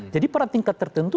jadi pada tingkat tertentu